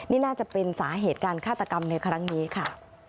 นี่น่าจะเป็นสาเหตุการฆาตกรรมในครั้งนี้ค่ะ